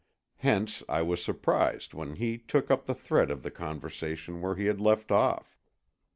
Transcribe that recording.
Hence I was surprised when he took up the thread of the conversation where he had left off.